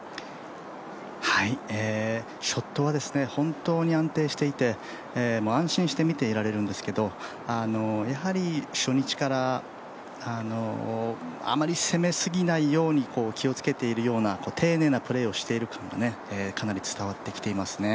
ショットは本当に安定していて、安心してみていられるんですけど、やはり初日からあまり攻めすぎないように気をつけているような丁寧なプレーをしているのがかなり伝わってきていますね。